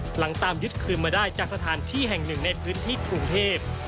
ตามยึดคืนมาได้จากสถานที่แห่งหนึ่งในพื้นที่กรุงเทพ